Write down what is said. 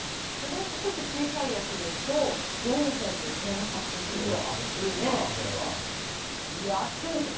ちょっと小さいやつですと、４本で１０８０円ですよね。